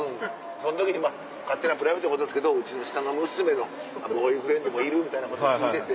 その時にまぁ勝手なプライベートのことですけどうちの下の娘のボーイフレンドもいるみたいなこと聞いてて。